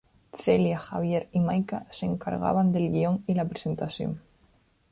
Celia, Javier y Maika se encargaban del guion y la presentación.